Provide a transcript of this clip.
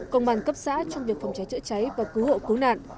công an cấp xã trong việc phòng cháy chữa cháy và cứu hộ cứu nạn